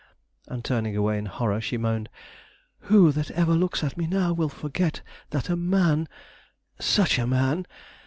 And turning away in horror, she moaned: "Who that ever looks at me now will forget that a man such a man!